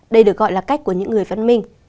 đây được gọi là cách của những người phát minh